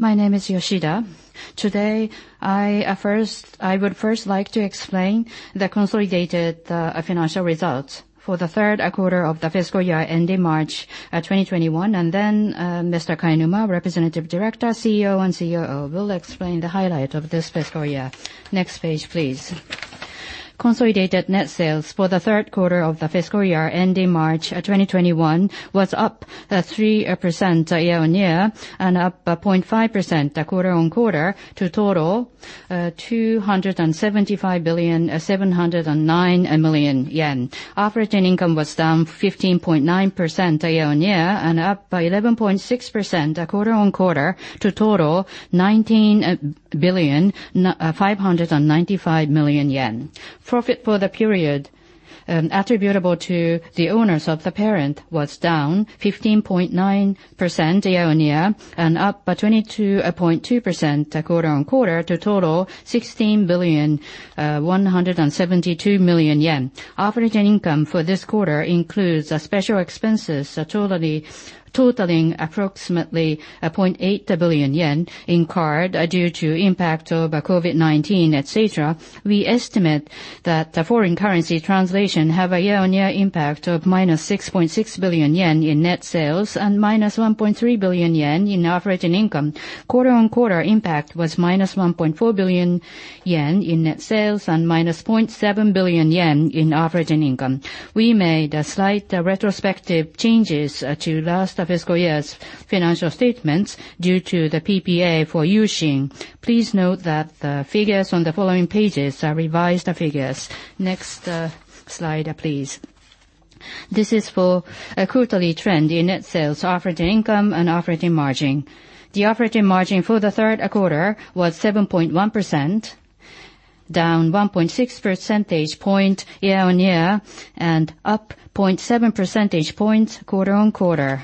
My name is Yoshida. Today, I would first like to explain the consolidated financial results for the third quarter of the fiscal year ending March 2021, and then Mr. Kainuma, representative director, CEO, and COO, will explain the highlight of this fiscal year. Next page, please. Consolidated net sales for the third quarter of the fiscal year ending March 2021 was up 3% year-on-year and up 0.5% quarter-on-quarter to a total of 275,709,000,000 yen. Operating income was down 15.9% year-on-year and up by 11.6% quarter-on-quarter to a total of 19,595,000,000 yen. Profit for the period attributable to the owners of the parent was down 15.9% year-on-year and up by 22.2% quarter-on-quarter to a total of 16,172,000,000 yen. Operating income for this quarter includes special expenses totaling approximately 0.8 billion yen incurred due to impact of COVID-19, et cetera. We estimate that the foreign currency translation have a year-on-year impact of -6.6 billion yen in net sales and -1.3 billion yen in operating income. Quarter-on-quarter impact was -1.4 billion yen in net sales and -0.7 billion yen in operating income. We made slight retrospective changes to last fiscal year's financial statements due to the PPA for U-Shin. Please note that the figures on the following pages are revised figures. Next slide, please. This is for quarterly trend in net sales, operating income, and operating margin. The operating margin for the third quarter was 7.1%, down 1.6 percentage point year-on-year and up 0.7 percentage points quarter-on-quarter.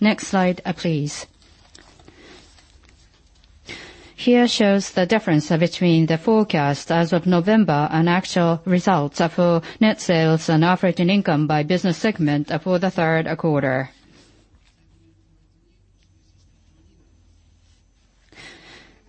Next slide, please. Here shows the difference between the forecast as of November and actual results for net sales and operating income by business segment for the third quarter.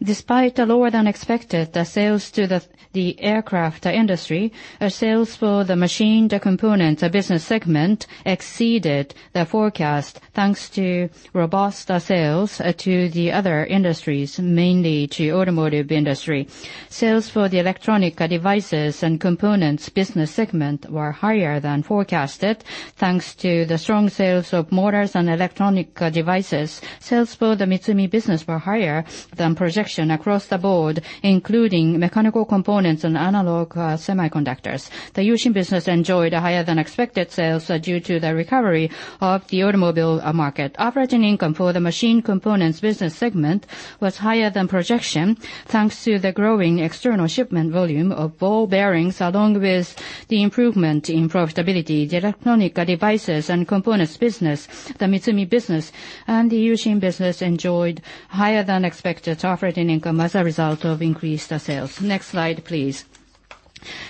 Despite lower-than-expected sales to the aircraft industry, our sales for the machined components business segment exceeded the forecast, thanks to robust sales to the other industries, mainly to automotive industry. Sales for the Electronic Devices and Components business segment were higher than forecasted, thanks to the strong sales of motors and electronic devices. Sales for the MITSUMI business were higher than projection across the board, including mechanical components and analog semiconductors. The U-Shin business enjoyed higher-than-expected sales due to the recovery of the automobile market. Operating income for the machined components business segment was higher than projection, thanks to the growing external shipment volume of ball bearings, along with the improvement in profitability. The Electronic Devices and Components business, the MITSUMI business, and the U-Shin business enjoyed higher-than-expected operating income as a result of increased sales. Next slide, please.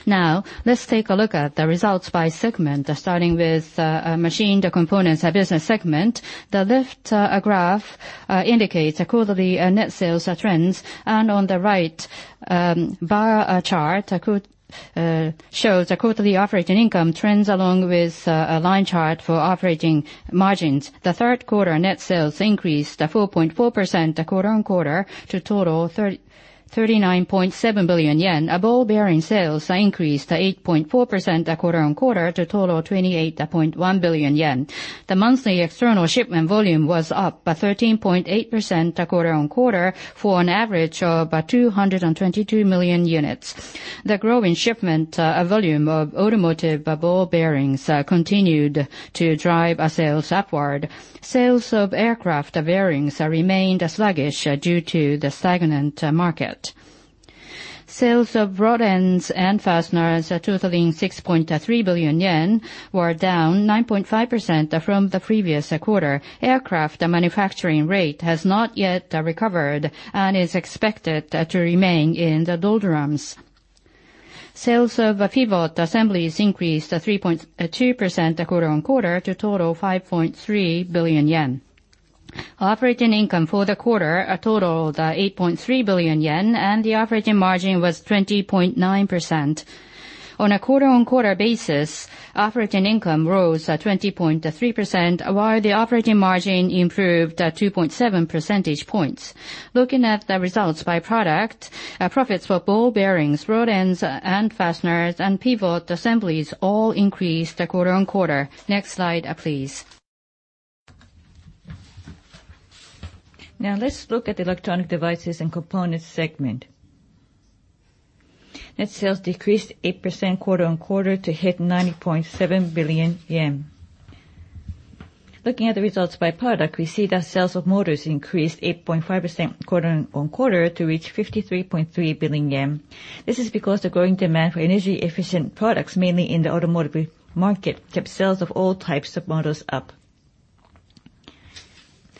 Let's take a look at the results by segment, starting with Machined Components Business Segment. The left graph indicates quarterly net sales trends, on the right bar chart shows the quarterly operating income trends along with a line chart for operating margins. The third quarter net sales increased 4.4% quarter-on-quarter to a total of 39.7 billion yen. Ball bearing sales increased 8.4% quarter-on-quarter to a total of 28.1 billion yen. The monthly external shipment volume was up by 13.8% quarter-on-quarter for an average of about 222 million units. The growing shipment volume of automotive ball bearings continued to drive our sales upward. Sales of aircraft bearings remained sluggish due to the stagnant market. Sales of rod ends and fasteners totaling 6.3 billion yen were down 9.5% from the previous quarter. Aircraft manufacturing rate has not yet recovered and is expected to remain in the doldrums. Sales of pivot assemblies increased 3.2% quarter-on-quarter to a total of 5.3 billion yen. Operating income for the quarter totaled 8.3 billion yen, and the operating margin was 20.9%. On a quarter-on-quarter basis, operating income rose 20.3%, while the operating margin improved 2.7 percentage points. Looking at the results by product, profits for ball bearings, rod ends and fasteners, and pivot assemblies all increased quarter-on-quarter. Next slide, please. Now, let's look at the Electronic Devices and Components Segment. Net sales decreased 8% quarter-on-quarter to hit 90.7 billion yen. Looking at the results by product, we see that sales of motors increased 8.5% quarter-on-quarter to reach 53.3 billion yen. This is because the growing demand for energy-efficient products, mainly in the automotive market, kept sales of all types of motors up.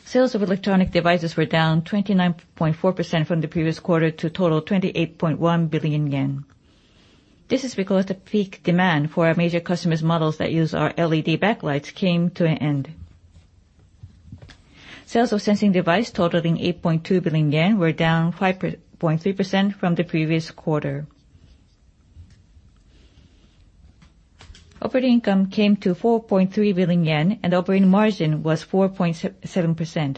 Sales of electronic devices were down 29.4% from the previous quarter to a total of 28.1 billion yen. This is because the peak demand for our major customers' models that use our LED backlights came to an end. Sales of Sensing Devices totaling 8.2 billion yen were down 5.3% from the previous quarter. Operating income came to 4.3 billion yen, and operating margin was 4.7%.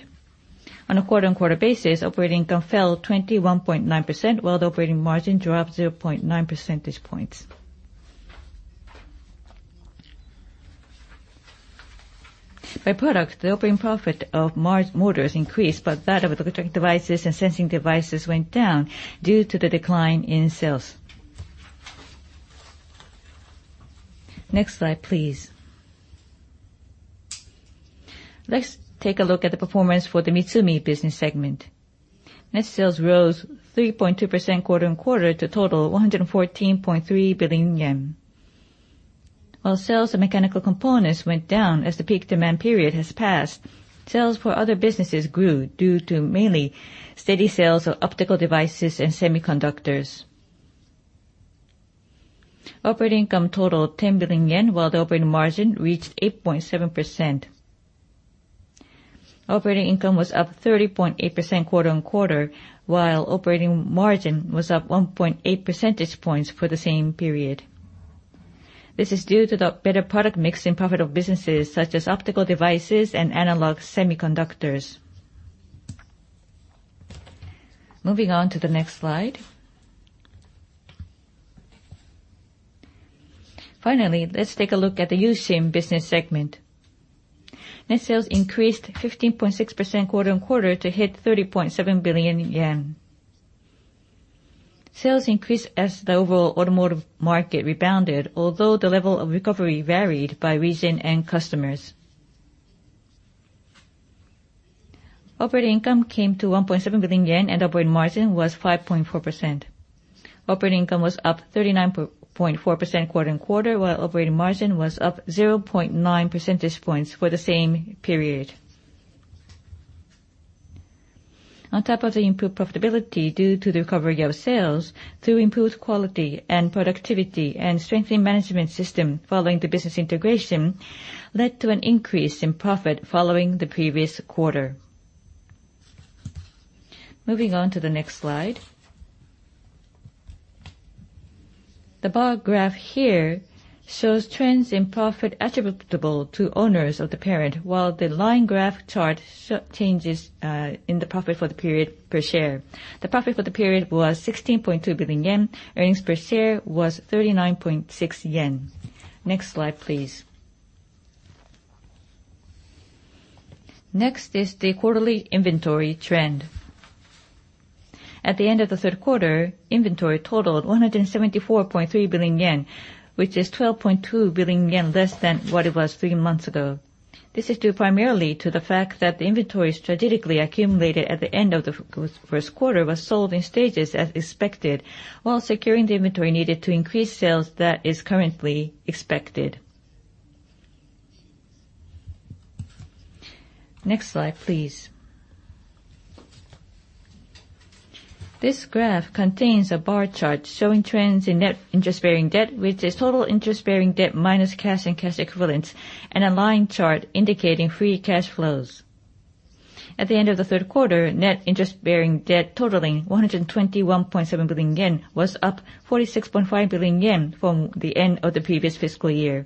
On a quarter-on-quarter basis, operating income fell 21.9%, while the operating margin dropped 0.9 percentage points. By product, the operating profit of Motors increased, but that of Electronic Devices and Sensing Devices went down due to the decline in sales. Next slide, please. Let's take a look at the performance for the MITSUMI business segment. Net sales rose 3.2% quarter-on-quarter to total 114.3 billion yen. While sales of Mechanical Components went down as the peak demand period has passed, sales for other businesses grew due to mainly steady sales of Optical Devices and Semiconductors. Operating income totaled 10 billion yen, while the operating margin reached 8.7%. Operating income was up 30.8% quarter-on-quarter, while operating margin was up 1.8 percentage points for the same period. This is due to the better product mix in profitable businesses such as optical devices and analog semiconductors. Moving on to the next slide. Finally, let's take a look at the U-Shin business segment. Net sales increased 15.6% quarter-on-quarter to hit 30.7 billion yen. Sales increased as the overall automotive market rebounded, although the level of recovery varied by region and customers. Operating income came to 1.7 billion yen, and operating margin was 5.4%. Operating income was up 39.4% quarter-on-quarter, while operating margin was up 0.9 percentage points for the same period. On top of the improved profitability due to the recovery of sales, through improved quality and productivity and strengthening management system following the business integration led to an increase in profit following the previous quarter. Moving on to the next slide. The bar graph here shows trends in profit attributable to owners of the parent, while the line graph chart shows changes in the profit for the period per share. The profit for the period was 16.2 billion yen. Earnings per share was 39.6 yen. Next slide, please. Next is the quarterly inventory trend. At the end of the third quarter, inventory totaled 174.3 billion yen, which is 12.2 billion yen less than what it was three months ago. This is due primarily to the fact that the inventory strategically accumulated at the end of the first quarter was sold in stages as expected, while securing the inventory needed to increase sales that is currently expected. Next slide, please. This graph contains a bar chart showing trends in net interest-bearing debt, which is total interest-bearing debt minus cash and cash equivalents, and a line chart indicating free cash flows. At the end of the third quarter, net interest-bearing debt totaling 121.7 billion yen was up 46.5 billion yen from the end of the previous fiscal year.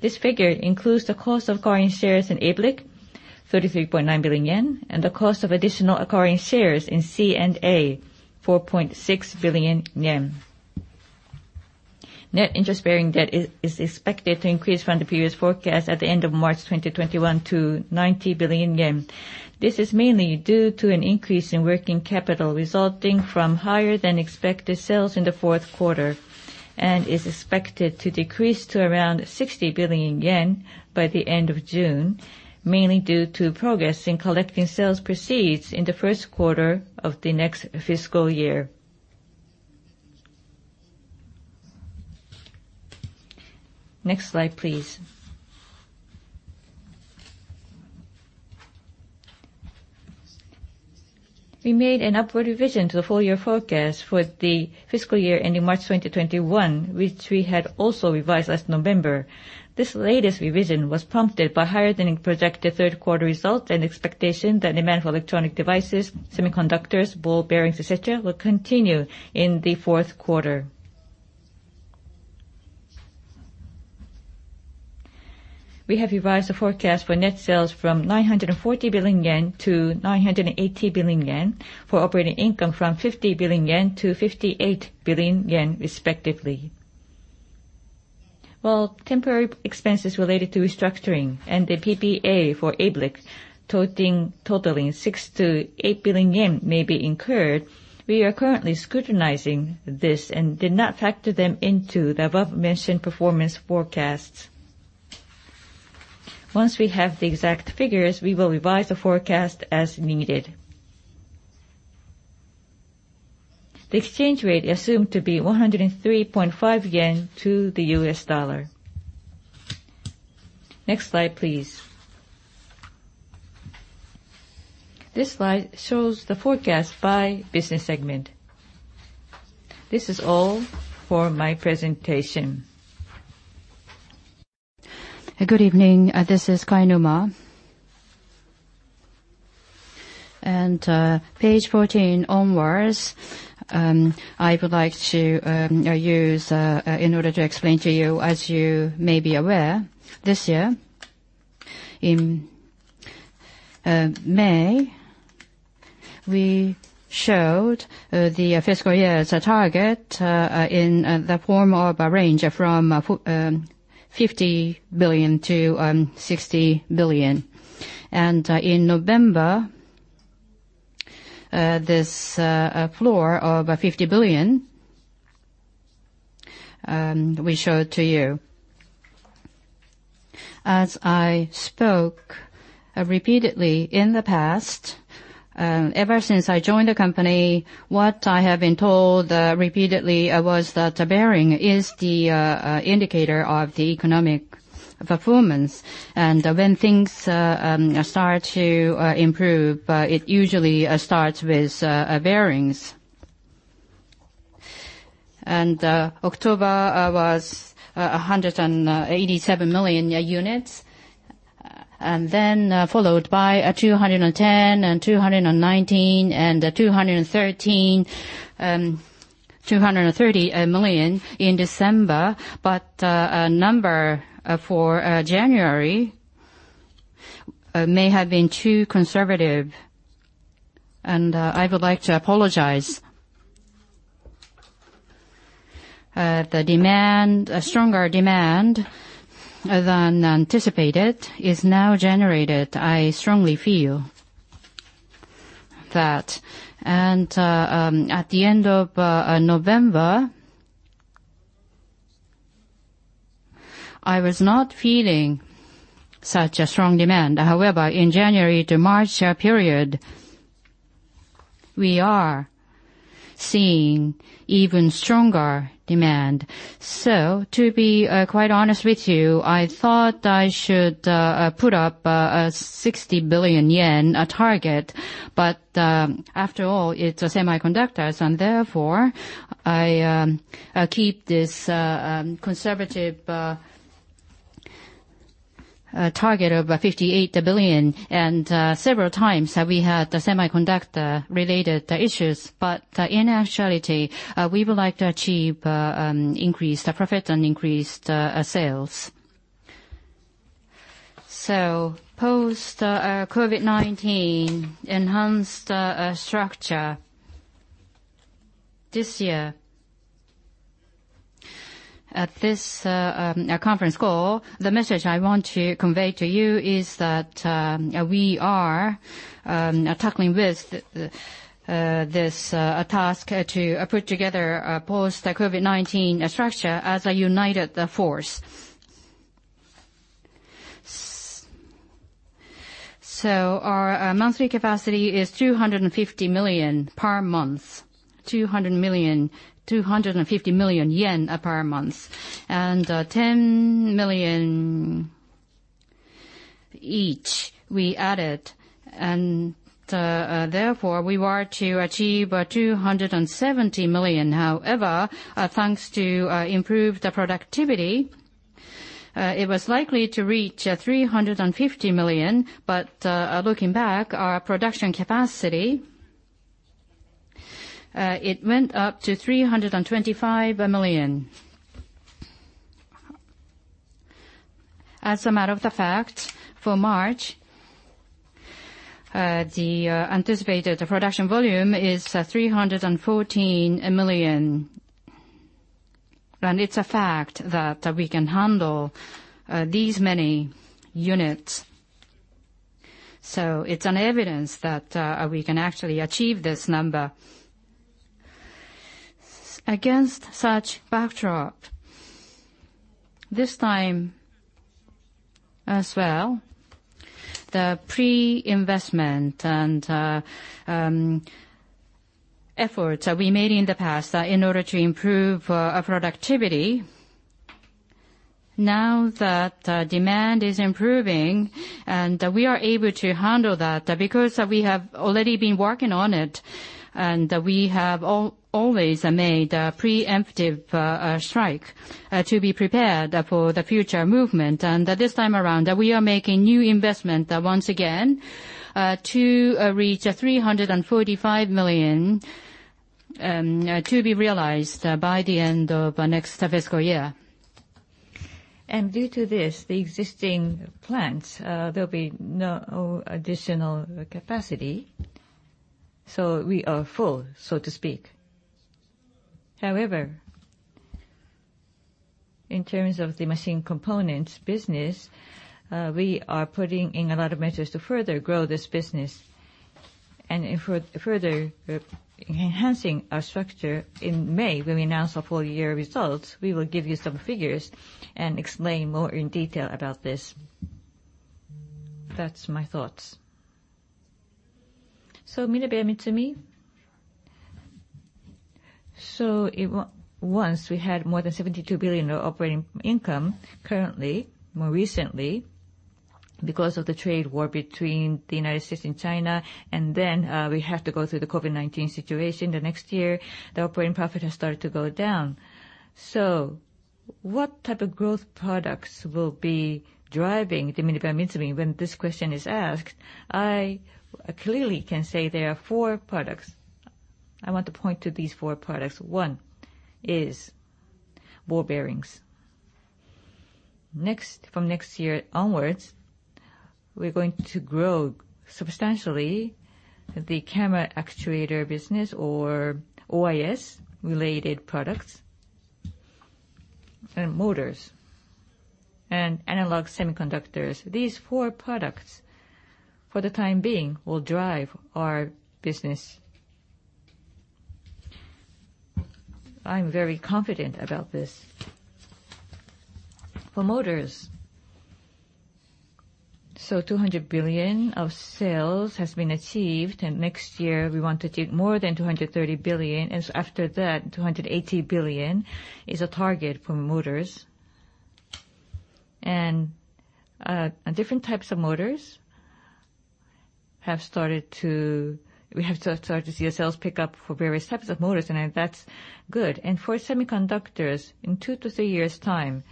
This figure includes the cost of acquiring shares in ABLIC, 33.9 billion yen, and the cost of additional acquiring shares in C&A, 4.6 billion yen. Net interest-bearing debt is expected to increase from the previous forecast at the end of March 2021 to 90 billion yen. This is mainly due to an increase in working capital resulting from higher than expected sales in the fourth quarter, and is expected to decrease to around 60 billion yen by the end of June, mainly due to progress in collecting sales proceeds in the first quarter of the next fiscal year. Next slide, please. We made an upward revision to the full year forecast for the fiscal year ending March 2021, which we had also revised last November. This latest revision was prompted by higher than projected third quarter results and expectation that demand for electronic devices, semiconductors, ball bearings, et cetera, will continue in the fourth quarter. We have revised the forecast for net from 940 billion-980 billion yen, for operating from 50 billion-58 billion yen respectively. While temporary expenses related to restructuring and the PPA for ABLIC totaling 6 billion-8 billion yen may be incurred, we are currently scrutinizing this and did not factor them into the above-mentioned performance forecasts. Once we have the exact figures, we will revise the forecast as needed. The exchange rate assumed to be 103.5 yen to the US dollar. Next slide, please. This slide shows the forecast by business segment. This is all for my presentation. Good evening. This is Kainuma. Page 14 onwards, I would like to use in order to explain to you. As you may be aware, this year in May, we showed the fiscal year as a target in the form of a range from 50 billion-60 billion. In November, this floor of 50 billion, we showed to you. As I spoke repeatedly in the past, ever since I joined the company, what I have been told repeatedly was that bearing is the indicator of the economic performance. When things start to improve, it usually starts with bearings. October was 187 million units, and then followed by 210, and 219, and 213, 230 million in December. Number for January may have been too conservative, and I would like to apologize. The demand, a stronger demand than anticipated is now generated. I strongly feel that. At the end of November, I was not feeling such a strong demand. However, in January to March period, we are seeing even stronger demand. To be quite honest with you, I thought I should put up a 60 billion yen target. After all, it's a semiconductors, and therefore, I keep this conservative target of 58 billion. Several times have we had the semiconductor-related issues, but in actuality, we would like to achieve increased profit and increased sales. Post-COVID-19 enhanced structure this year. At this conference call, the message I want to convey to you is that we are tackling with this task to put together a post-COVID-19 structure as a united force. Our monthly capacity is 250 million per month, 250 million yen per month, and 10 million each we added. Therefore, we were to achieve 270 million. Thanks to improved productivity, it was likely to reach 350 million. Looking back, our production capacity, it went up to 325 million. As a matter of fact, for March, the anticipated production volume is 314 million, and it's a fact that we can handle these many units. It's evidence that we can actually achieve this number. Against such backdrop, this time as well, the pre-investment and efforts that we made in the past in order to improve our productivity, now that demand is improving, and we are able to handle that because we have already been working on it, and we have always made a preemptive strike to be prepared for the future movement. This time around, we are making new investment once again, to reach 345 million, to be realized by the end of next fiscal year. Due to this, the existing plants, there'll be no additional capacity. We are full, so to speak. However, in terms of the machine components business, we are putting in a lot of measures to further grow this business. In further enhancing our structure in May, when we announce our full-year results, we will give you some figures and explain more in detail about this. That's my thoughts. MINEBEA MITSUMI? Once we had more than 72 billion of operating income currently, more recently, because of the trade war between the United States and China, and then we have to go through the COVID-19 situation the next year, the operating profit has started to go down. What type of growth products will be driving the MINEBEA MITSUMI? When this question is asked, I clearly can say there are four products. I want to point to these four products. One is ball bearings. From next year onwards, we're going to grow substantially the camera actuator business or OIS-related products, and motors, and analog semiconductors. These four products, for the time being, will drive our business. I am very confident about this. For motors, 200 billion of sales has been achieved, next year we want to take more than 230 billion, after that, 280 billion is a target for motors. Different types of motors, we have started to see our sales pick up for various types of motors, and that's good. For semiconductors, in two to three years' time,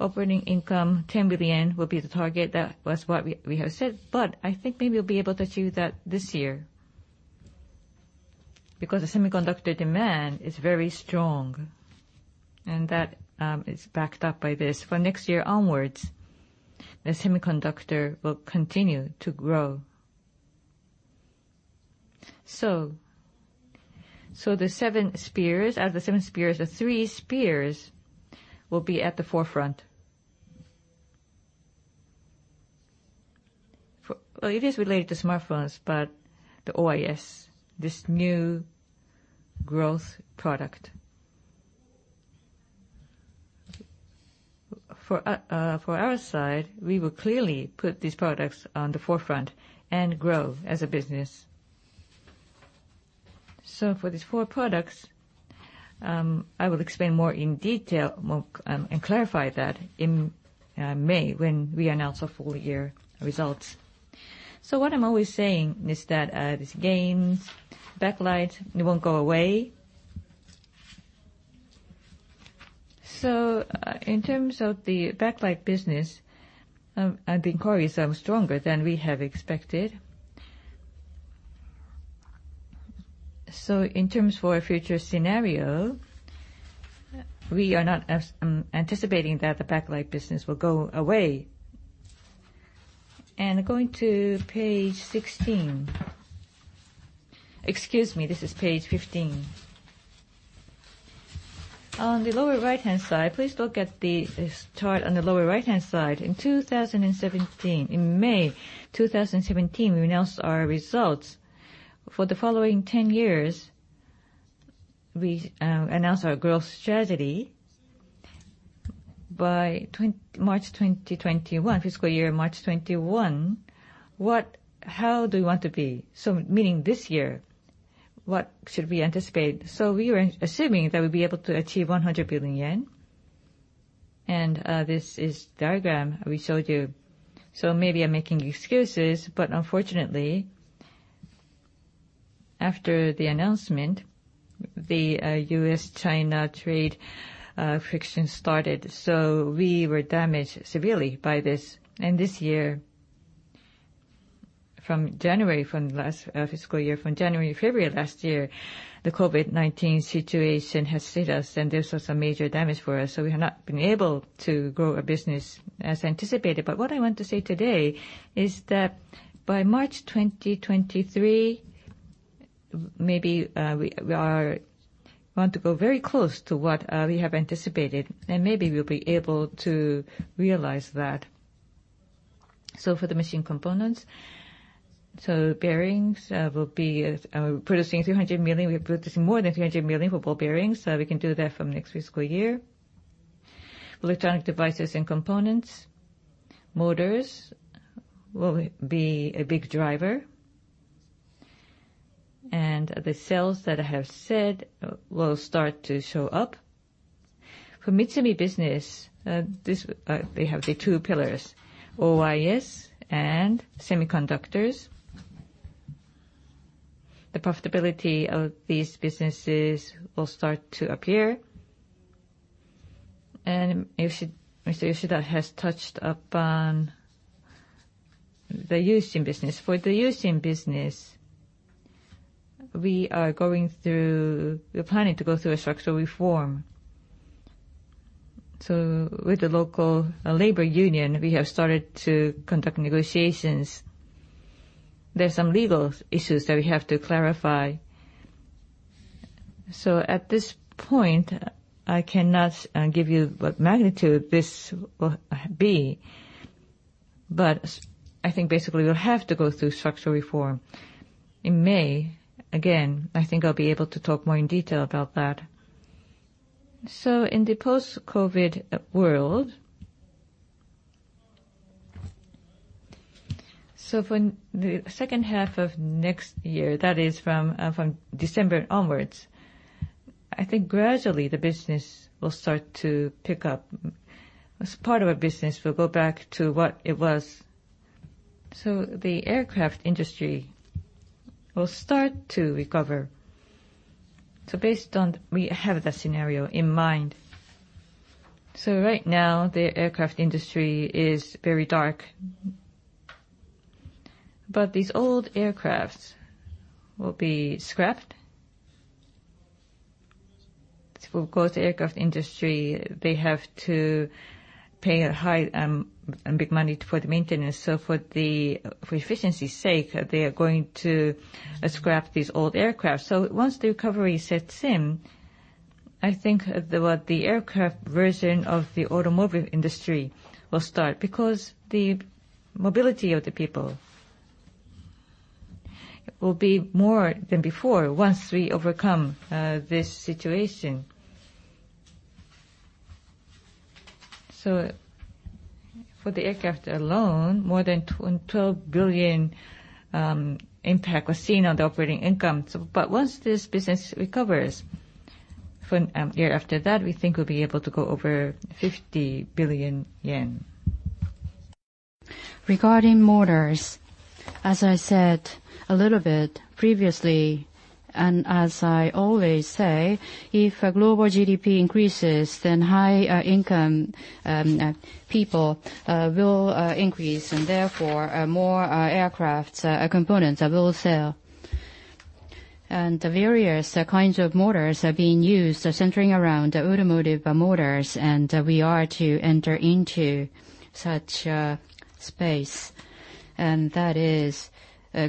operating income, 10 billion will be the target. That was what we have said. I think maybe we'll be able to achieve that this year because the semiconductor demand is very strong, and that is backed up by this. For next year onwards, the semiconductor will continue to grow. Out of the Eight Spears, the three spears will be at the forefront. It is related to smartphones, the OIS, this new growth product. For our side, we will clearly put these products on the forefront and grow as a business. For these four products, I will explain more in detail and clarify that in May when we announce our full-year results. What I'm always saying is that these games, backlight, they won't go away. In terms of the backlight business, inquiries are stronger than we have expected. In terms for a future scenario, we are not anticipating that the backlight business will go away. Going to page 16. Excuse me, this is page 15. On the lower right-hand side, please look at this chart on the lower right-hand side. In 2017, in May 2017, we announced our results. For the following 10 years, we announced our growth strategy. By March 2021, fiscal year March 2021, how do we want to be? Meaning this year, what should we anticipate? We were assuming that we'll be able to achieve 100 billion yen. This is diagram we showed you. Maybe I'm making excuses, but unfortunately, after the announcement, the US-China trade friction started. We were damaged severely by this. This year, from January, February last year, the COVID-19 situation has hit us, and this was a major damage for us. We have not been able to grow our business as anticipated. What I want to say today is that by March 2023, maybe we want to go very close to what we have anticipated, and maybe we will be able to realize that. For the machine components, bearings, we are producing 300 million. We are producing more than 300 million for ball bearings. We can do that from next fiscal year. Electronic devices and components. Motors will be a big driver. The sales that I have said will start to show up. For MITSUMI business, they have the two pillars, OIS and semiconductors. The profitability of these businesses will start to appear. Mr. Yoshida has touched upon the U-Shin business. For the U-Shin business, we are planning to go through a structural reform. With the local labor union, we have started to conduct negotiations. There are some legal issues that we have to clarify. At this point, I cannot give you what magnitude this will be, but I think basically we'll have to go through structural reform. In May, again, I think I'll be able to talk more in detail about that. In the post-COVID world, for the second half of next year, that is from December onwards, I think gradually the business will start to pick up. As part of our business, we'll go back to what it was. The aircraft industry will start to recover. We have the scenario in mind. Right now, the aircraft industry is very dark. These old aircrafts will be scrapped. For, of course, aircraft industry, they have to pay a big money for the maintenance. For efficiency's sake, they are going to scrap these old aircraft. Once the recovery sets in, I think the aircraft version of the automobile industry will start, because the mobility of the people will be more than before once we overcome this situation. For the aircraft alone, more than 12 billion impact was seen on the operating income. Once this business recovers, for a year after that, we think we'll be able to go over 50 billion yen. Regarding motors, as I said a little bit previously, and as I always say, if global GDP increases, then high-income people will increase, and therefore, more aircraft components will sell. The various kinds of motors are being used, are centering around automotive motors, and we are to enter into such a space, and that is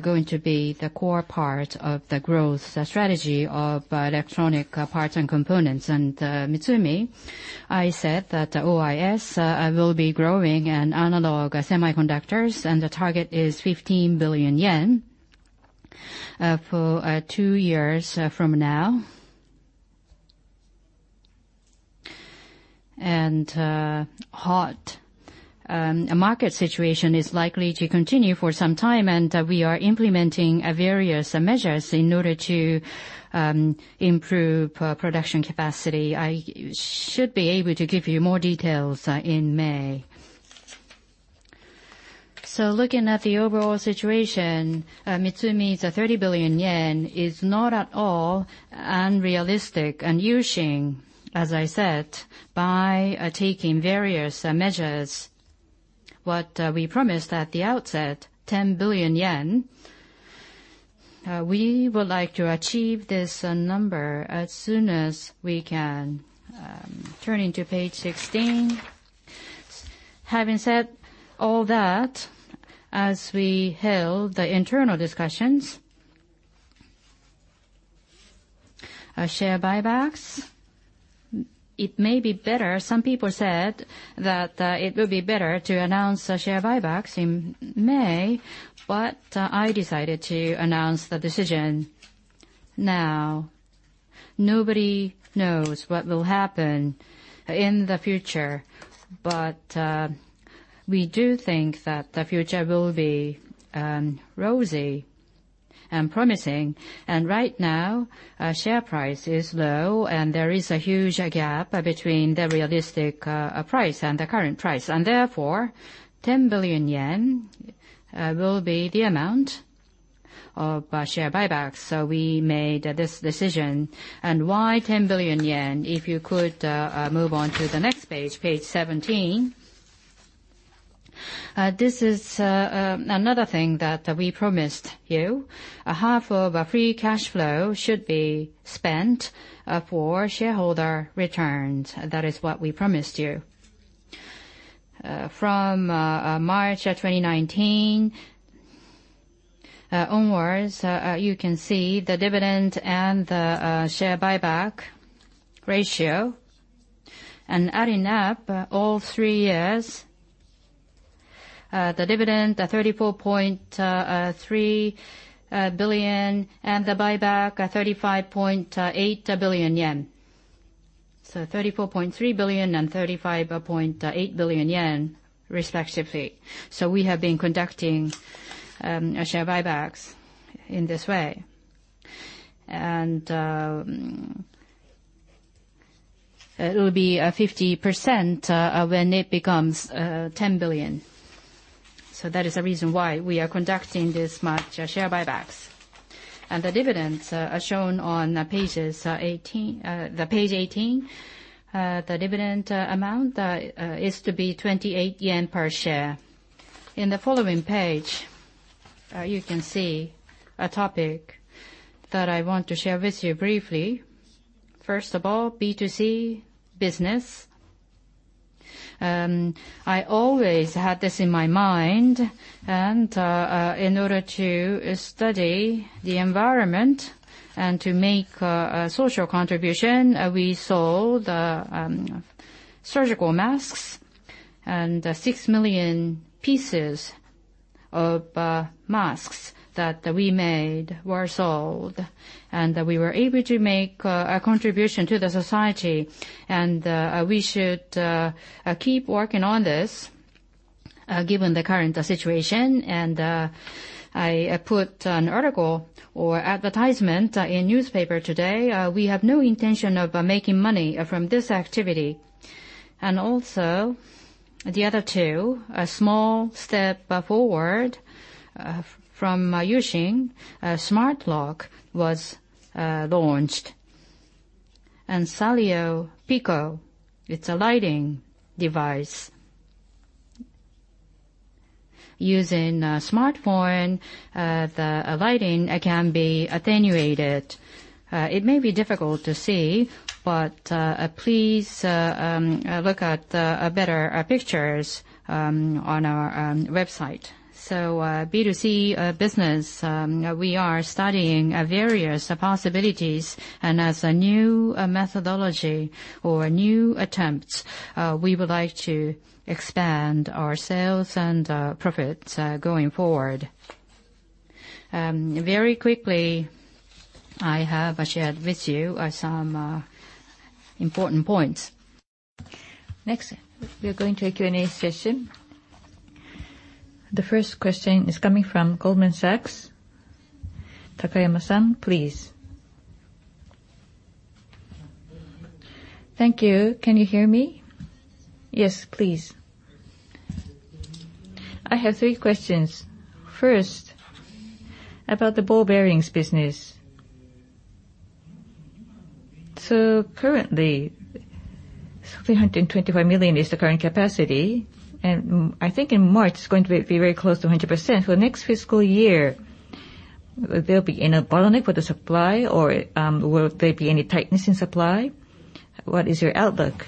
going to be the core part of the growth strategy of electronic parts and components. MITSUMI, I said that OIS will be growing in analog semiconductors, and the target is 15 billion yen, for two years from now. Hot market situation is likely to continue for some time, and we are implementing various measures in order to improve production capacity. I should be able to give you more details in May. Looking at the overall situation, MITSUMI's 30 billion yen is not at all unrealistic. U-Shin, as I said, by taking various measures, what we promised at the outset, 10 billion, we would like to achieve this number as soon as we can. Turning to page 16. Having said all that, as we held the internal discussions, our share buybacks, some people said that it would be better to announce a share buyback in May, but I decided to announce the decision now. Nobody knows what will happen in the future, but we do think that the future will be rosy and promising. Right now, share price is low, and there is a huge gap between the realistic price and the current price. Therefore, 10 billion will be the amount of share buybacks. We made this decision. Why 10 billion yen? If you could move on to the next page 17. This is another thing that we promised you. Half of free cash flow should be spent for shareholder returns. That is what we promised you. From March 2019 onwards, you can see the dividend and the share buyback ratio. Adding up all three years, the dividend, 34.3 billion, and the buyback, 35.8 billion yen. 34.3 billion and 35.8 billion yen, respectively. We have been conducting share buybacks in this way. It will be 50% when it becomes 10 billion. That is the reason why we are conducting this much share buybacks. The dividends are shown on page 18. The dividend amount is to be 28 yen per share. In the following page, you can see a topic that I want to share with you briefly. First of all, B2C business. I always had this in my mind, and in order to study the environment and to make a social contribution, we sold surgical masks, and 6 million pieces of masks that we made were sold. We were able to make a contribution to the society, and we should keep working on this. Given the current situation, and I put an article or advertisement in the newspaper today. We have no intention of making money from this activity. The other two, a small step forward from U-Shin a smart lock was launched. SALIOT pico, it's a lighting device. U-Shin a smartphone, the lighting can be attenuated. It may be difficult to see, but please look at better pictures on our website. B2C business, we are studying various possibilities and as a new methodology or new attempts, we would like to expand our sales and profit going forward. Very quickly, I have shared with you some important points. We are going to a Q&A session. The first question is coming from Goldman Sachs. Takayama-san, please. Thank you. Can you hear me? Yes, please. I have three questions. First, about the ball bearings business. Currently, 325 million is the current capacity, and I think in March, it's going to be very close to 100%. For next fiscal year, they'll be in a bottleneck with the supply or will there be any tightness in supply? What is your outlook?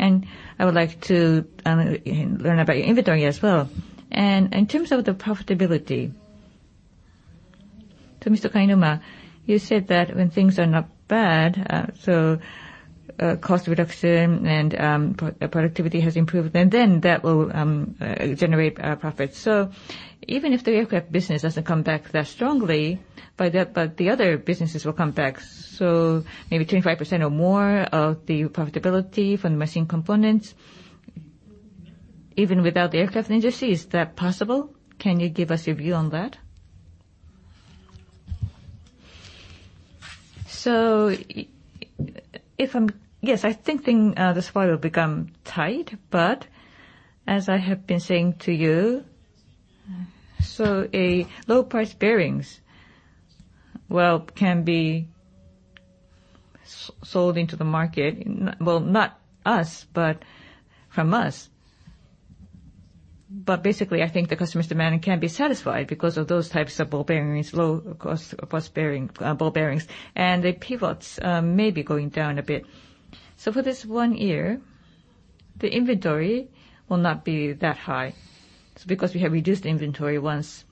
I would like to learn about your inventory as well. In terms of the profitability, to Mr. Kainuma, you said that when things are not bad, so cost reduction and productivity has improved, and then that will generate a profit. Even if the aircraft business doesn't come back that strongly, but the other businesses will come back. Maybe 25% or more of the profitability from machined components, even without the aircraft industry, is that possible? Can you give us your view on that? Yes, I think the supply will become tight, but as I have been saying to you, so a low-price bearing, well, can be sold into the market, well, not us, but from us. Basically, I think the customer's demand can't be satisfied because of those types of ball bearings, low-cost ball bearings, and the pivots may be going down a bit. For this one year, the inventory will not be that high. It's because we have reduced inventory once,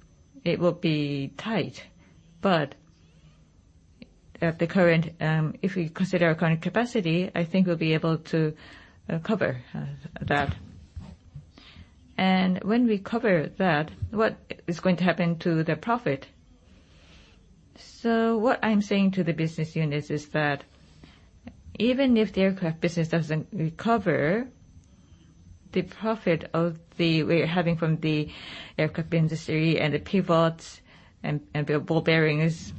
it will be tight. If we consider our current capacity, I think we'll be able to cover that. When we cover that, what is going to happen to the profit? What I'm saying to the business units is that even if the aircraft business doesn't recover, the profit we're having from the aircraft industry and the pivots and the ball bearings,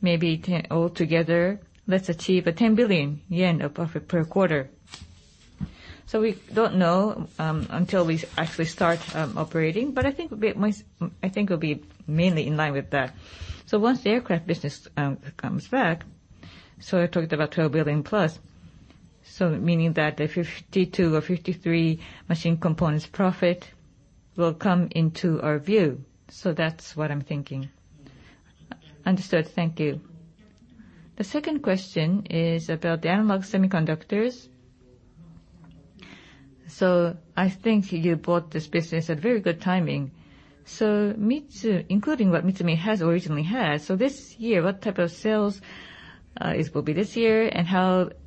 maybe altogether, let's achieve 10 billion yen of profit per quarter. We don't know until we actually start operating, but I think we'll be mainly in line with that. Once the aircraft business comes back, I talked about 12 billion plus, meaning that the 52 billion or 53 billion machined components profit will come into our view. That's what I'm thinking. Understood. Thank you. The second question is about the analog semiconductors. I think you bought this business at a very good timing. Including what MITSUMI has originally had, this year, what type of sales it will be this year, and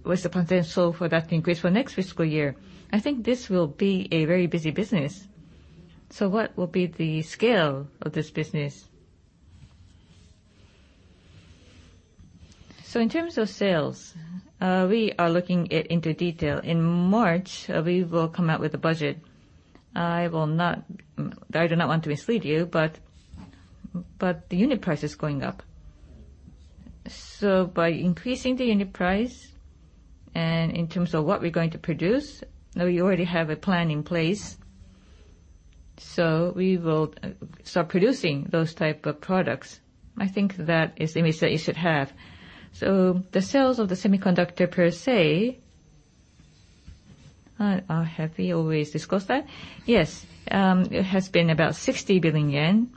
what's the potential for that to increase for next fiscal year? I think this will be a very busy business. What will be the scale of this business? In terms of sales, we are looking into detail. In March, we will come out with a budget. I do not want to mislead you, but the unit price is going up. By increasing the unit price and in terms of what we're going to produce, now you already have a plan in place. We will start producing those type of products. I think that is the image that you should have. The sales of the semiconductor per se, have you always discussed that? Yes. It has been about 60 billion yen,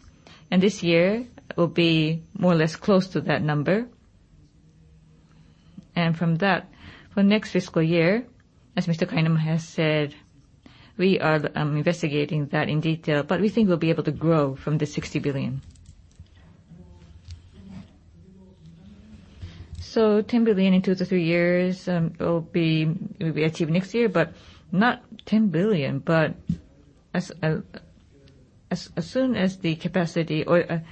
and this year will be more or less close to that number. From that, for next fiscal year, as Mr. Kainuma has said, we are investigating that in detail, but we think we'll be able to grow from the 60 billion. 10 billion in two to three years will be achieved next year, but not 10 billion, but as soon as the capacity, or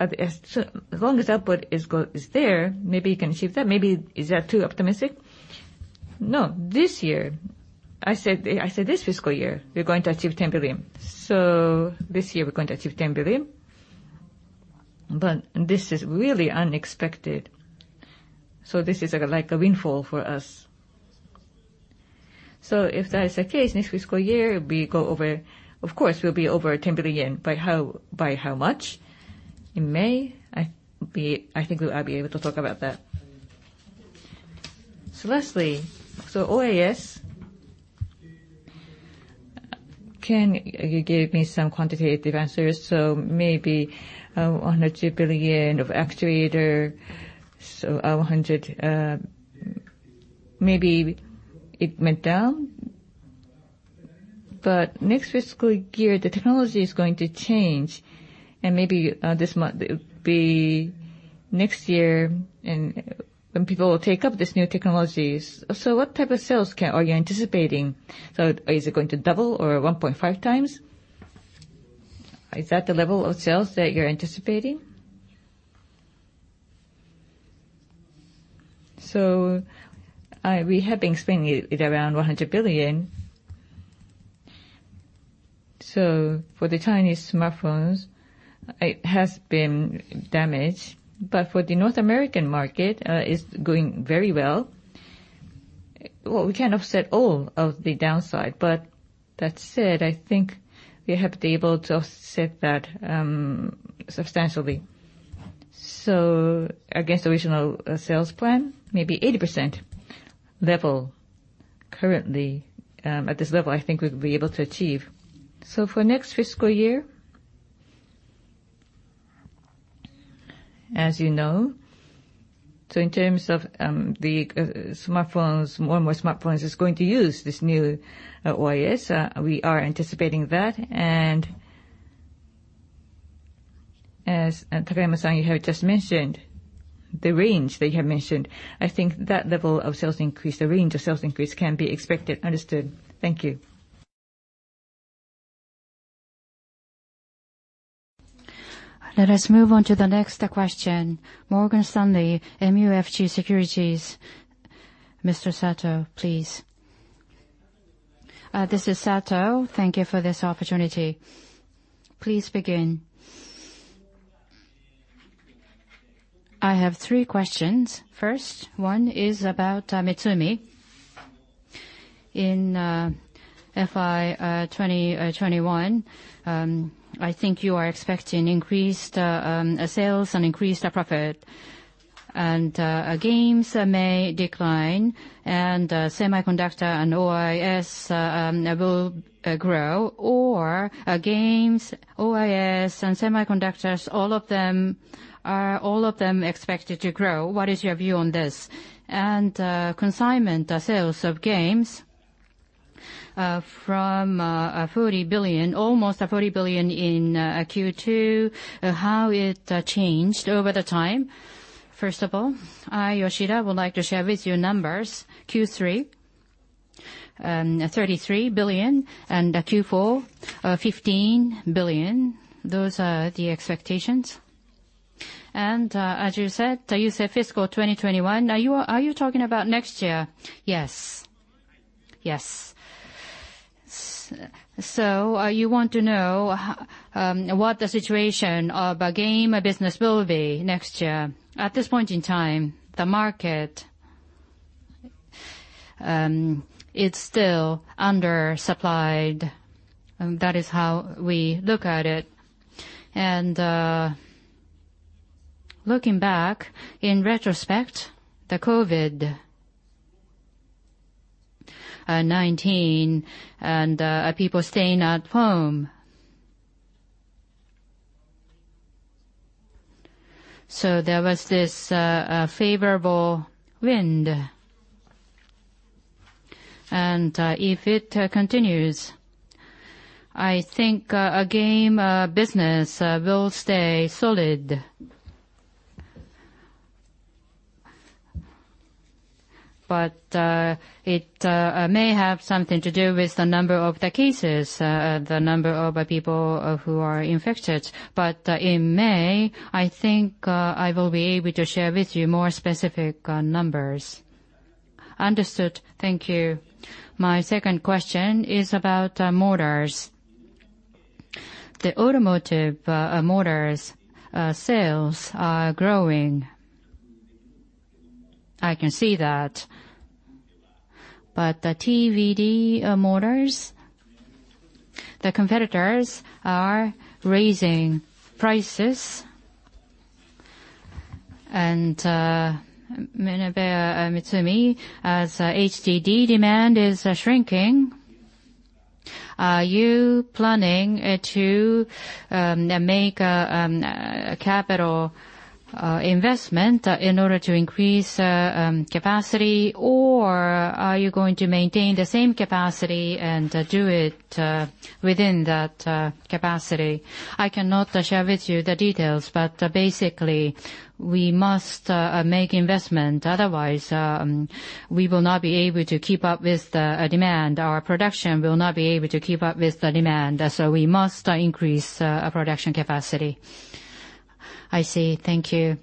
as long as output is there, maybe you can achieve that. Maybe, is that too optimistic? No, this year. I said this fiscal year, we're going to achieve 10 billion. This year we're going to achieve 10 billion. This is really unexpected, so this is like a windfall for us. If that is the case, next fiscal year, we go over, of course, we'll be over 10 billion. By how much? In May, I think we will be able to talk about that. Lastly, OIS, can you give me some quantitative answers? Maybe 100 billion of actuator, so maybe it went down. Next fiscal year, the technology is going to change, and maybe next year when people take up these new technologies. What type of sales are you anticipating? Is it going to double or 1.5 times? Is that the level of sales that you're anticipating? We have been spending it around 100 billion. For the Chinese smartphones, it has been damaged. For the North American market, it's going very well. Well, we can't offset all of the downside, but that said, I think we have been able to offset that substantially. Against the original sales plan, maybe 80% level currently, at this level, I think we'll be able to achieve. For next fiscal year, as you know, in terms of the smartphones, more and more smartphones is going to use this new OIS. We are anticipating that. As Takayama-san, you have just mentioned, the range that you have mentioned, I think that level of sales increase, the range of sales increase can be expected. Understood. Thank you. Let us move on to the next question. Morgan Stanley MUFG Securities, Mr. Sato, please. This is Sato. Thank you for this opportunity. Please begin. I have three questions. First one is about MITSUMI. In FY 2021, I think you are expecting increased sales and increased profit, and games may decline and semiconductor and OIS will grow. Games, OIS, and semiconductors, are all of them expected to grow? What is your view on this? Consignment sales of games from almost 40 billion in Q2, how it changed over the time. First of all. Yoshida would like to share with you numbers. Q3, 33 billion, and Q4, 15 billion. Those are the expectations. As you said, you said fiscal 2021. Are you talking about next year? Yes. You want to know what the situation of our game business will be next year. At this point in time, the market, it's still undersupplied. That is how we look at it. Looking back, in retrospect, the COVID-19 and people staying at home. There was this favorable wind. If it continues, I think our game business will stay solid. It may have something to do with the number of the cases, the number of people who are infected. In May, I think I will be able to share with you more specific numbers. Understood. Thank you. My second question is about motors. The automotive motors sales are growing. I can see that. The HDD motors, the competitors are raising prices. MINEBEA MITSUMI, as HDD demand is shrinking, are you planning to make a capital investment in order to increase capacity? Are you going to maintain the same capacity and do it within that capacity? I cannot share with you the details, but basically, we must make investment. Otherwise, we will not be able to keep up with the demand. Our production will not be able to keep up with the demand. We must increase production capacity. I see. Thank you.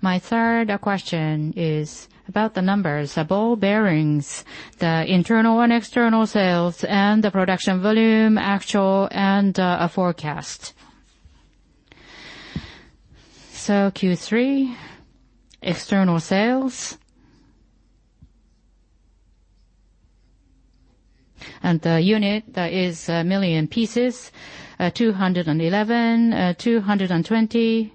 My third question is about the numbers of ball bearings, the internal and external sales, and the production volume actual and forecast. Q3 external sales. The unit that is million pieces, 211, 220.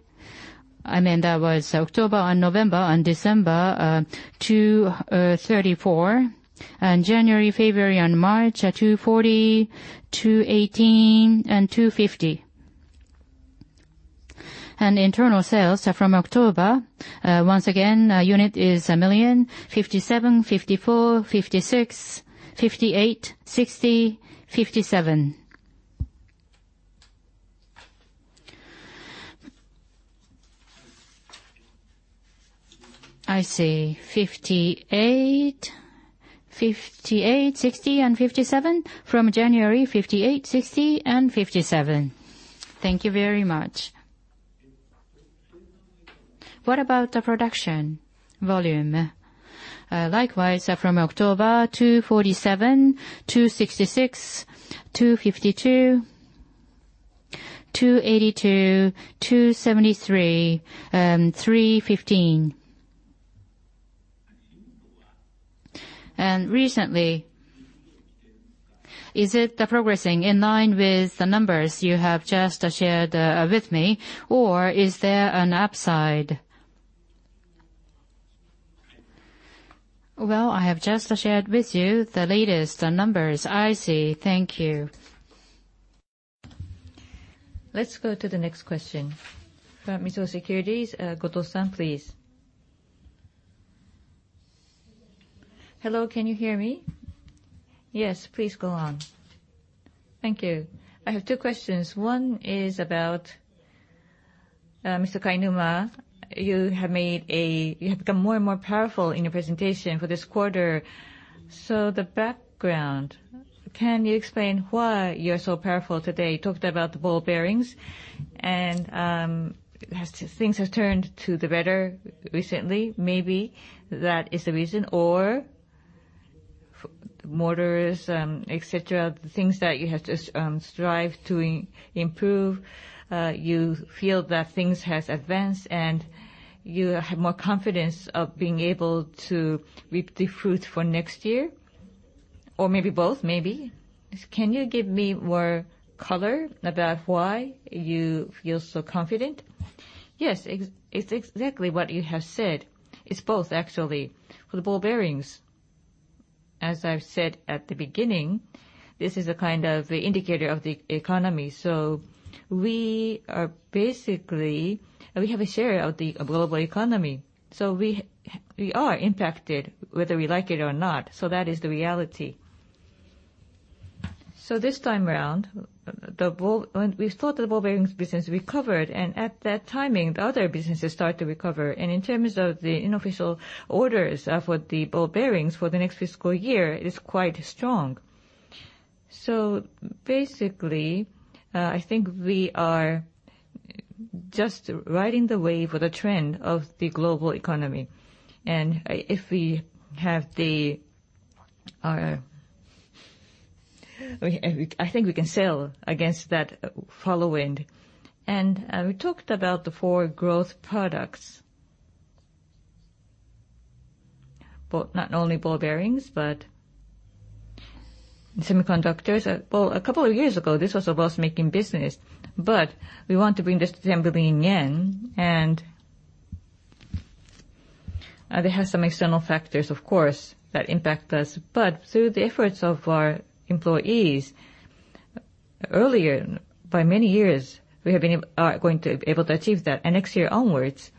That was October and November and December, 234. January, February and March, 240, 218 and 250. Internal sales are from October. Once again, unit is a million, 57, 54, 56, 58, 60, 57. I see. 58, 60 and 57. From January, 58, 60 and 57. Thank you very much. What about the production volume? Likewise, from October 247, 266, 252, 282, 273, and 315. Recently, is it progressing in line with the numbers you have just shared with me, or is there an upside? Well, I have just shared with you the latest numbers. I see. Thank you. Let's go to the next question. From Mizuho Securities, Goto-san, please. Hello, can you hear me? Yes, please go on. Thank you. I have two questions. One is about, Mr. Kainuma, you have become more and more powerful in your presentation for this quarter. The background, can you explain why you are so powerful today? You talked about the ball bearings, and things have turned to the better recently. Maybe that is the reason, or motors, et cetera, the things that you have to strive to improve, you feel that things have advanced, and you have more confidence of being able to reap the fruit for next year, or maybe both, maybe. Can you give me more color about why you feel so confident? Yes. It's exactly what you have said. It's both actually. For the ball bearings, as I've said at the beginning, this is a kind of indicator of the economy. We have a share of the global economy, so we are impacted whether we like it or not. That is the reality. This time around, we thought the ball bearings business recovered, and at that timing, the other businesses start to recover, and in terms of the unofficial orders for the ball bearings for the next fiscal year is quite strong. Basically, I think we are just riding the wave or the trend of the global economy. I think we can sail against that foul wind. We talked about the four growth products, not only ball bearings, but semiconductors. A couple of years ago, this was a loss-making business, but we want to bring this to 10 billion yen, and they have some external factors, of course, that impact us. Through the efforts of our employees, earlier by many years, we are going to be able to achieve that. Next year onwards,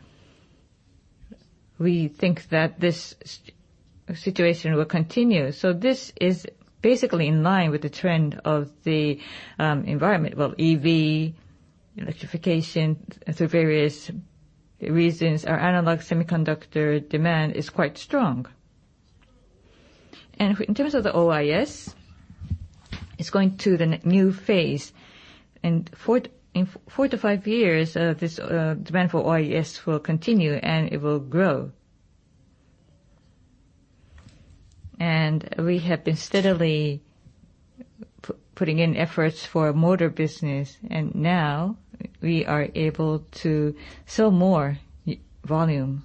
we think that this situation will continue. This is basically in line with the trend of the environment. EV, electrification. Through various reasons, our analog semiconductor demand is quite strong. In terms of the OIS, it's going to the new phase. In four to five years, this demand for OIS will continue, and it will grow. We have been steadily putting in efforts for motor business, and now we are able to sell more volume.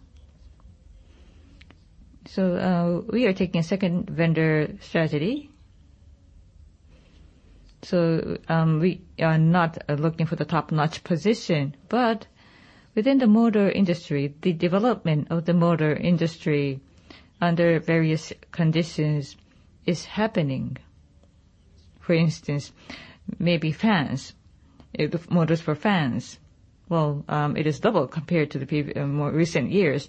We are taking a second vendor strategy. We are not looking for the top-notch position, but within the motor industry, the development of the motor industry under various conditions is happening. For instance, maybe fans. The motors for fans. It is double compared to the more recent years.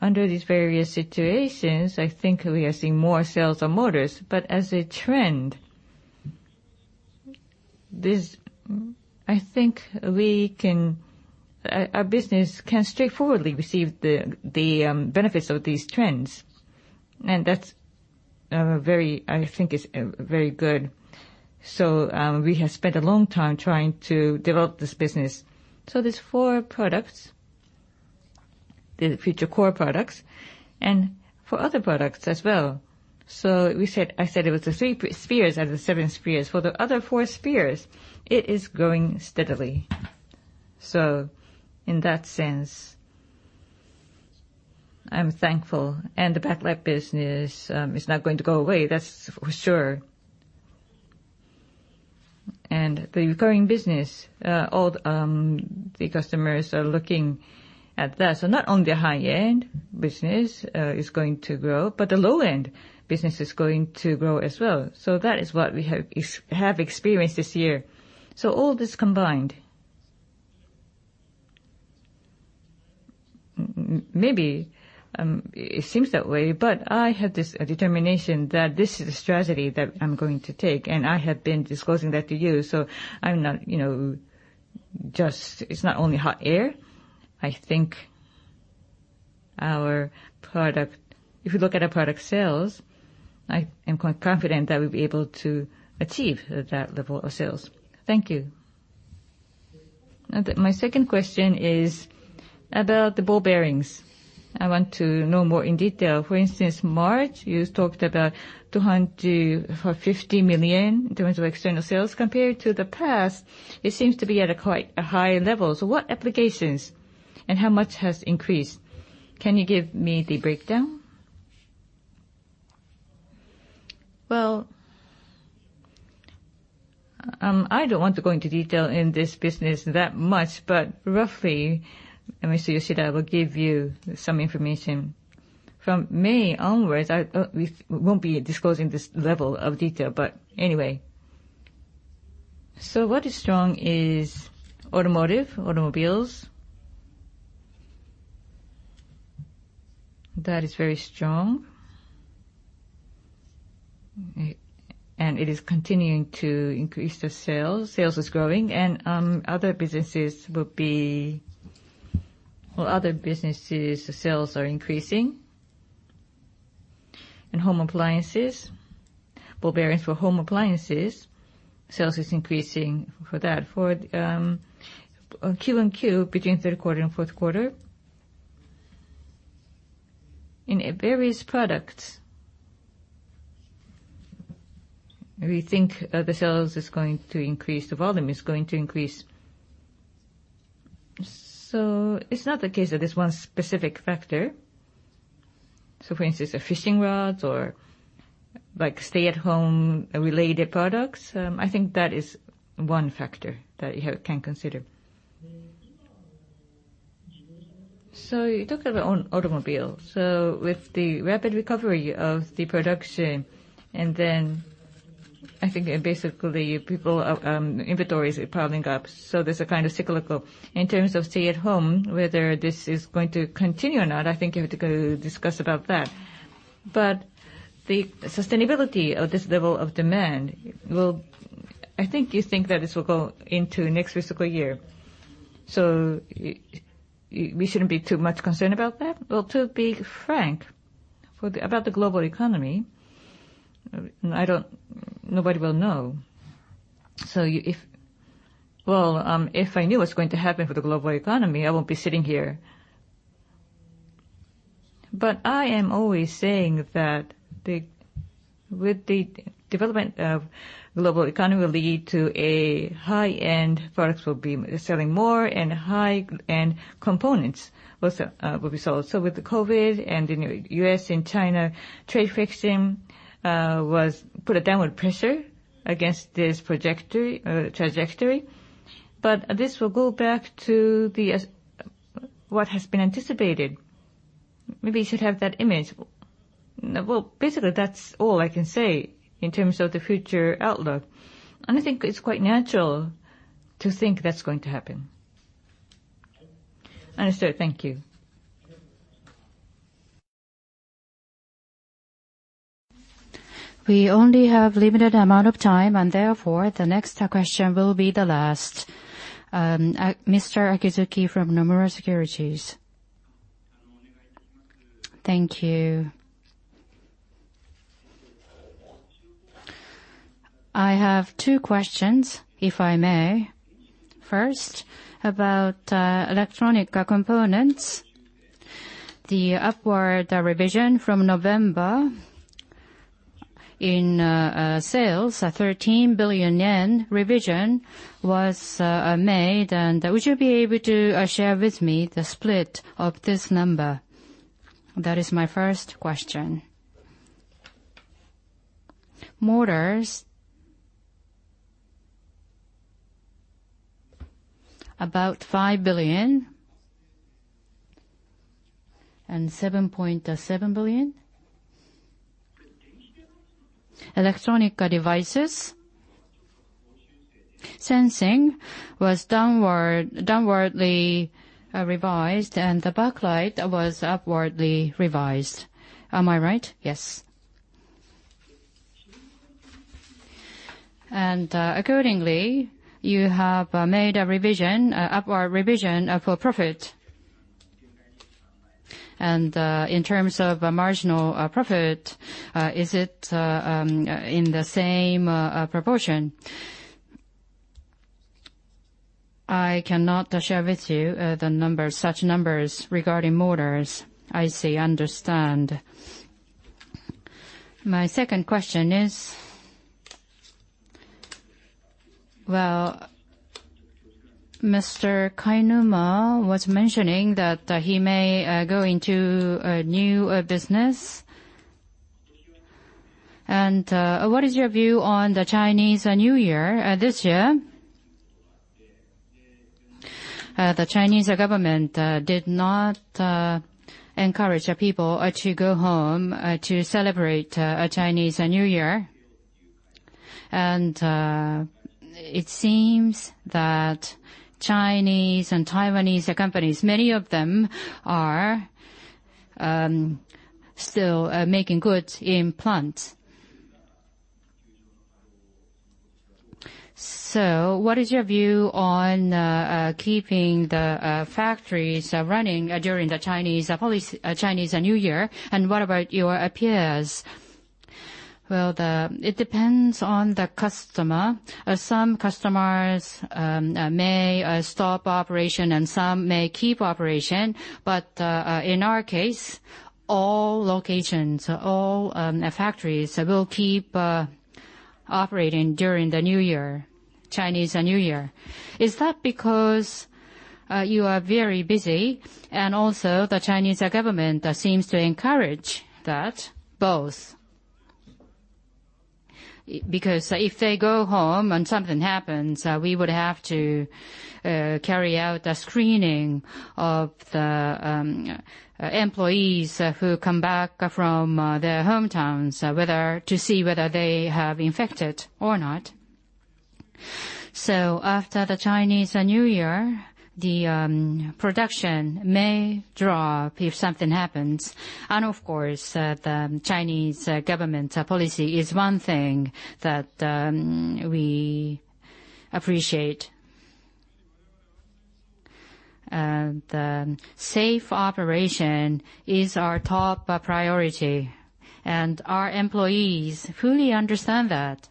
Under these various situations, I think we are seeing more sales of motors, but as a trend, I think Our business can straightforwardly receive the benefits of these trends, and I think it's very good. We have spent a long time trying to develop this business. There's four products, the future core products, and for other products as well. I said it was the three spears out of the seven spears. For the other four spears, it is growing steadily. In that sense, I'm thankful. The backlight business is not going to go away, that's for sure. The recurring business, all the customers are looking at that. Not only the high-end business is going to grow, but the low-end business is going to grow as well. That is what we have experienced this year. All this combined, maybe it seems that way, but I have this determination that this is the strategy that I'm going to take, and I have been disclosing that to you, it's not only hot air. I think if you look at our product sales, I am quite confident that we'll be able to achieve that level of sales. Thank you. My second question is about the ball bearings. I want to know more in detail. For instance, March, you talked about 250 million in terms of external sales. Compared to the past, it seems to be at a quite a high level. What applications and how much has increased? Can you give me the breakdown? Well, I don't want to go into detail in this business that much, but roughly, Mr. Yoshida will give you some information. From May onwards, we won't be disclosing this level of detail, but anyway. What is strong is automotive, automobiles. That is very strong, and it is continuing to increase the sales. Sales is growing. Other businesses, the sales are increasing. In home appliances, ball bearings for home appliances, sales is increasing for that. For Q-on-Q, between third quarter and fourth quarter, in various products, we think the sales is going to increase, the volume is going to increase. It's not the case that there's one specific factor. For instance, fishing rods or stay-at-home related products. I think that is one factor that you can consider. You talk about automobile. With the rapid recovery of the production, and then I think basically inventories are piling up. There's a kind of cyclical in terms of stay at home, whether this is going to continue or not, I think you have to discuss about that. The sustainability of this level of demand, I think you think that this will go into next fiscal year. We shouldn't be too much concerned about that? Well, to be frank about the global economy, nobody will know. Well, if I knew what's going to happen for the global economy, I won't be sitting here. I am always saying that with the development of global economy will lead to a high-end products will be selling more and high-end components will be sold. With the COVID-19 and U.S. and China trade friction put a downward pressure against this trajectory, but this will go back to what has been anticipated. Maybe you should have that image. Well, basically, that's all I can say in terms of the future outlook. I think it's quite natural to think that's going to happen. Understood. Thank you. We only have limited amount of time, therefore, the next question will be the last. Mr. Akizuki from Nomura Securities. Thank you. I have two questions, if I may. First, about electronic components. The upward revision from November in sales, a 13 billion yen revision was made, would you be able to share with me the split of this number? That is my first question. Motors, about 5 billion and 7.7 billion. Electronic devices, sensing was downwardly revised, and the backlight was upwardly revised. Am I right? Yes. Accordingly, you have made an upward revision of your profit. In terms of marginal profit, is it in the same proportion? I cannot share with you such numbers regarding motors. I see, understand. My second question is, Mr. Kainuma was mentioning that he may go into a new business. What is your view on the Chinese New Year this year? The Chinese government did not encourage their people to go home to celebrate Chinese New Year, and it seems that Chinese and Taiwanese companies, many of them are still making goods in plant. What is your view on keeping the factories running during the Chinese New Year? What about your peers? It depends on the customer. Some customers may stop operation and some may keep operation. In our case, all locations, all factories, will keep operating during the Chinese New Year. Is that because you are very busy and also the Chinese government seems to encourage that? Both. If they go home and something happens, we would have to carry out the screening of the employees who come back from their hometowns, to see whether they have infected or not. After the Chinese New Year, the production may drop if something happens. Of course, the Chinese government policy is one thing that we appreciate. The safe operation is our top priority, and our employees fully understand that.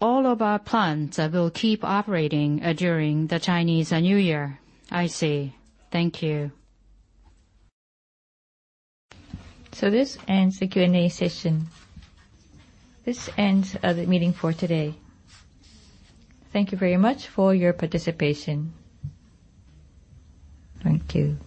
All of our plants will keep operating during the Chinese New Year. I see. Thank you. This ends the Q&A session. This ends the meeting for today. Thank you very much for your participation. Thank you.